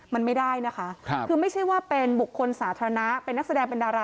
มันไม่ได้นะคะคือไม่ใช่ว่าเป็นบุคคลสาธารณะเป็นนักแสดงเป็นดารา